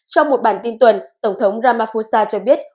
trong một bản tin tuần tổng thống ramaphusa cho biết